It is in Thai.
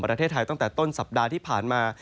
ประเทศไทยตั้งแต่ต้นสัปดาห์ที่ผ่านมา